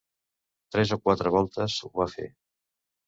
Tres o quatre voltes ho va fer.